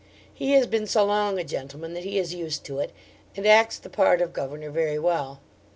He has been so long a gentleman that he is used to it, and acts the part of governor very well.